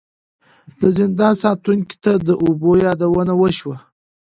د زندان ساتونکي ته د اوبو یادونه وشوه.